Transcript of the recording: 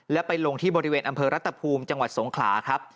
และไปลงที่บริเวณอำเภอรัตภูมิจังหวัดสงขลาครับ